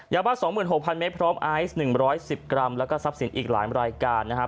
ยาบ้า๒๖๐๐เมตรพร้อมไอซ์๑๑๐กรัมแล้วก็ทรัพย์สินอีกหลายรายการนะครับ